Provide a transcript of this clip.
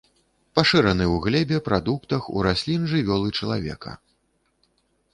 Пашыраны ў глебе, прадуктах, у раслін, жывёл і чалавека.